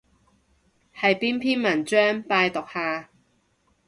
係邊篇文章？拜讀下